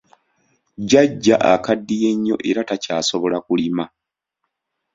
Jjajja akaddiye nnyo era takyasobola kulima.